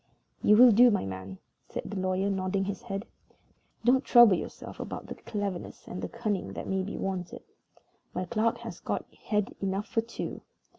"You will do, my man," said the lawyer, nodding his head. "Don't trouble yourself about the cleverness or the cunning that may be wanted. My clerk has got head enough for two.